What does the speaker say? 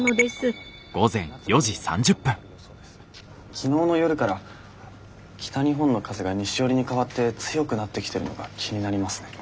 昨日の夜から北日本の風が西よりに変わって強くなってきてるのが気になりますね。